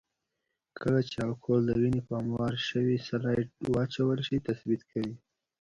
کله چې الکول د وینې په هموار شوي سلایډ واچول شي تثبیت کوي.